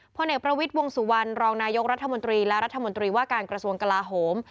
เอกประวิทย์วงสุวรรณรองนายกรัฐมนตรีและรัฐมนตรีว่าการกระทรวงกลาโหม